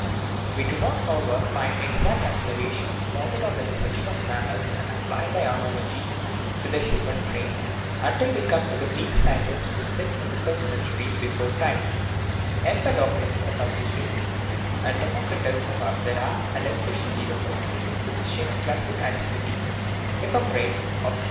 We do not, however, find more exact observations, founded on the dissection of mammals, and applied, by analogy, to the human frame, until we come to the Greek scientists of the sixth and fifth centuries before Christ Empedocles (of Ag rigentum) and Democritus (of Abdera), and especially the most famous physician of classic antiquity, Hip pocrates (of Cos).